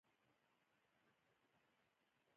بازار د غوښتنې له کچې سره حرکت کوي.